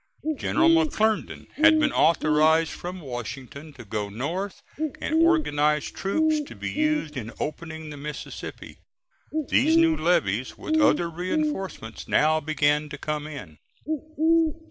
General McClernand had been authorized from Washington to go north and organize troops to be used in opening the Mississippi. These new levies with other reinforcements now began to come in.